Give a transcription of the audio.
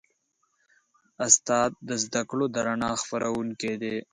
استاد د زدهکړو د رڼا خپروونکی دی.